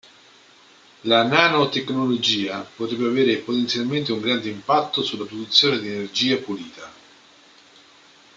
La nanotecnologia potrebbe avere potenzialmente un grande impatto sulla produzione di energia pulita.